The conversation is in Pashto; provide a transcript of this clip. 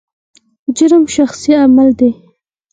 جرم شخصي عمل دی.